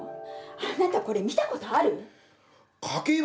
あなた、これ見たことある？